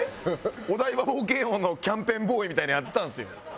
お台場冒険王のキャンペーンボーイみたいなのやってたんですよ。